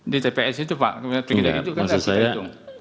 di tps itu pak